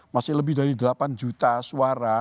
masih lebih dari delapan juta suara